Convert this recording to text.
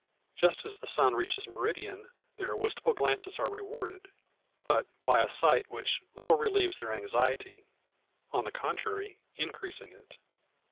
Just as the sun reaches meridian their wistful glances are rewarded; but by a sight which little relieves their anxiety; on the contrary, increasing it.